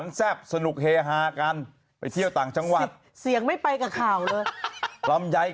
แล้วจะเรียกว่าอะไรว่าไอบ้าไม่ได้